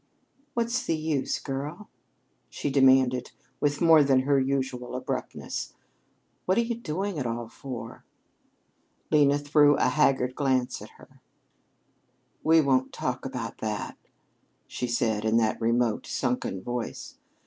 "What's the use, girl?" she demanded with more than her usual abruptness. "What are you doing it all for?" Lena threw a haggard glance at her. "We won't talk about that," she said in that remote, sunken voice.